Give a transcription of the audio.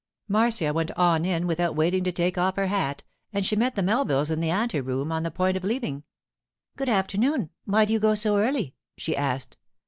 Marcia went on in without waiting to take off her hat, and she met the Melvilles in the ante room, on the point of leaving. 'Good afternoon. Why do you go so early?' she asked.